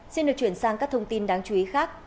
xin được chuyển sang các thông tin đáng chú ý khác